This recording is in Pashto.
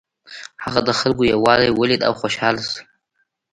هغه د خلکو یووالی ولید او خوشحاله شو.